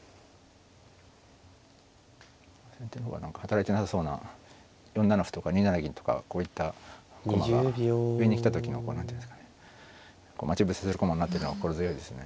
先手の方は何か働いてなさそうな４七歩とか２七銀とかこういった駒が上に来た時のこう何ていうんですかね待ち伏せする駒になっているのは心強いですね。